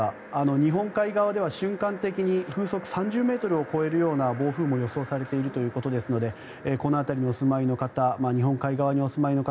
日本海側では瞬間的に風速３０ｍを超えるような暴風も予想されているということですのでこの辺りにお住まいの方日本海側にお住まいの方